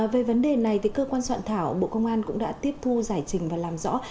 về vấn đề này cơ quan soạn thảo bộ công an cũng đã tiếp thu giải trình và làm rõ